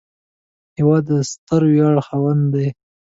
هېواد د ستر ویاړ خاوند دی